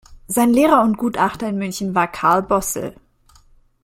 Sein Lehrer und Gutachter in München war Karl Bosl.